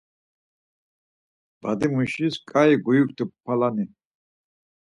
Badimuşis ǩai gyuktu palani